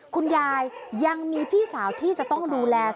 คุณยายยังมีพี่สาวที่จะต้องดูแล